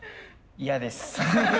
嫌です。